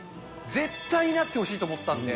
絶対になってほしいと思ったんで。